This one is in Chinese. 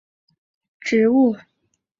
蝶须为菊科蝶须属的植物。